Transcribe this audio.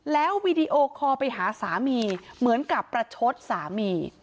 แล้ววีดีโอคอลไปหาสามีเหมือนกับประชดสามี